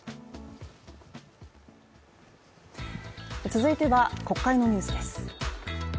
続いては、国会のニュースです。